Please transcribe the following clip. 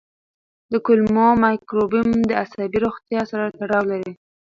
د کولمو مایکروبیوم د عصبي روغتیا سره تړاو لري.